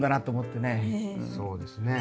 そうですね。